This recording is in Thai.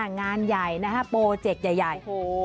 งานใหญ่นะฮะโปรเจกต์ใหญ่